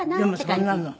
でもそんなの？